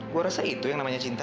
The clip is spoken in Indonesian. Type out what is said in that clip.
gue rasa itu yang namanya cinta